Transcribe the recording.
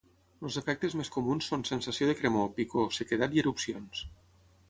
Els efectes més comuns són sensació de cremor, picor, sequedat i erupcions.